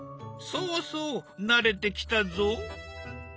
そうそう慣れてきたぞ。